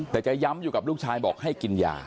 แต่จะย้ำอยู่กับลูกชายบอกให้กินยา